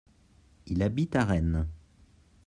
il habite à Rennes.